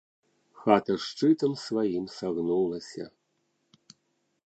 Хата шчытам сваім сагнулася.